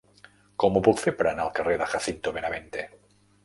Com ho puc fer per anar al carrer de Jacinto Benavente?